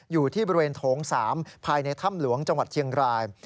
อยู่ที่บริเวณโถง๓ภายในถ้ำหลวงจังหวัดเชียงราย